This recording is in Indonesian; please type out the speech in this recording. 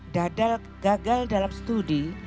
dadal gagal dalam studi